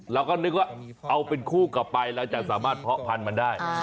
เราก็นึกว่าเอาเป็นคู่กลับไปเราจะสามารถเพาะพันธุ์มันได้